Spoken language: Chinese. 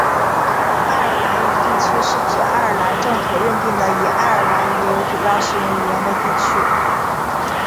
爱尔兰语地区是指爱尔兰政府认定的以爱尔兰语为主要使用语言的地区。